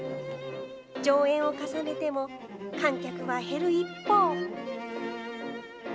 上演を重ねても、観客は減る一方。